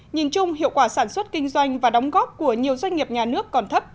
nhìn chung hiệu quả sản xuất kinh doanh và đóng góp của nhiều doanh nghiệp nhà nước còn thấp